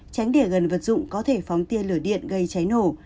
tránh để gần vật dụng có thể phóng tiên lửa điện gây cháy nổ